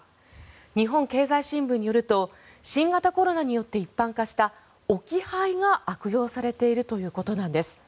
日本経済新聞によると新型コロナによって一般化した置き配が悪用されているということなんです。